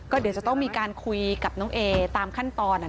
เดี๋ยวจะต้องมีการคุยกับน้องเอตามขั้นตอน